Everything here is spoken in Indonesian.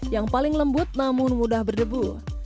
yang paling lembut namun mudah berdebu